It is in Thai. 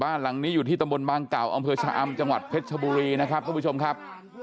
บ้านหลังนี้อยู่ที่ตำบลบางเก่าอำเภอชะอำจังหวัดเพชรชบุรีนะครับทุกผู้ชมครับ